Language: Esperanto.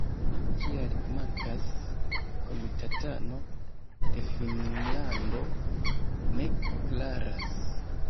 Kial mankas komitatano de Finnlando ne klaras.